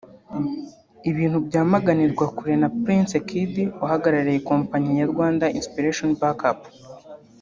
ibintu byamaganirwa kure na Prince Kid uhagarariye kompanyi ya Rwanda Inspiration Back Up